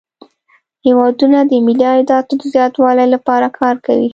هیوادونه د ملي عایداتو د زیاتوالي لپاره کار کوي